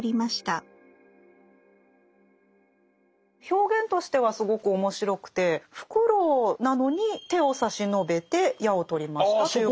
表現としてはすごく面白くてフクロウなのに「手を差しのべて矢を取りました」ということですよね。